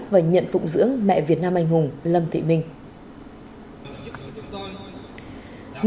và nhận phụng dưỡng mẹ việt nam anh hùng lâm thị minh